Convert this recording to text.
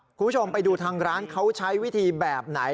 คุณผู้ชมไปดูทางร้านเขาใช้วิธีแบบไหน